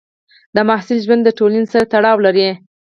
د محصل ژوند د ټولنې سره تړاو لري.